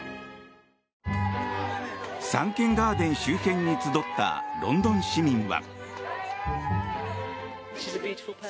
サンケンガーデン周辺に集ったロンドン市民は。